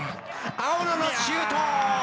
青野のシュート！